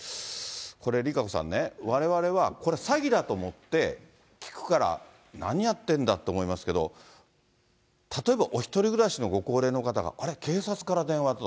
これ、ＲＩＫＡＣＯさんね、われわれは、これは詐欺だと思って聞くから、何やってんだって思いますけれども、例えばお一人暮らしのご高齢の方があれ、警察から電話だと。